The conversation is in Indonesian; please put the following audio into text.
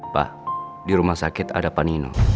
pak di rumah sakit ada pak nino